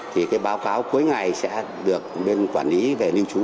thì cái báo cáo cuối ngày sẽ được bên quản lý về lưu trú